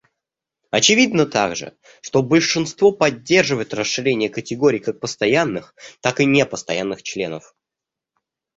Очевидно также, что большинство поддерживает расширение категорий как постоянных, так и непостоянных членов.